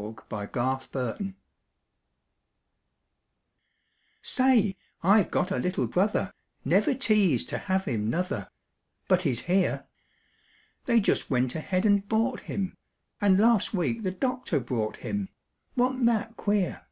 HIS NEW BROTHER Say, I've got a little brother, Never teased to have him, nuther, But he's here; They just went ahead and bought him, And, last week the doctor brought him, Wa'n't that queer?